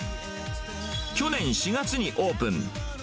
去年４月にオープン。